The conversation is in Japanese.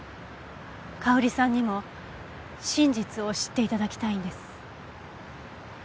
香織さんにも真実を知っていただきたいんです。